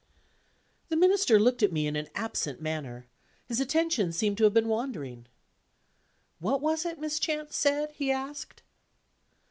The Minister looked at me in an absent manner; his attention seemed to have been wandering. "What was it Miss Chance said?" he asked.